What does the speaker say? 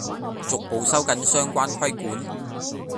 逐步收緊相關規管